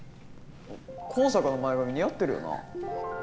向坂の前髪似合ってるよな？